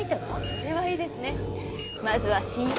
それはいいですね。